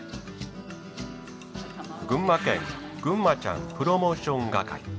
群馬県ぐんまちゃんプロモーション係。